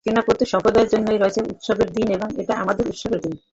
কেননা, প্রত্যেক সম্প্রদায়ের জন্যেই রয়েছে উৎসবের দিন এবং এটা আমাদের উৎসবের দিন।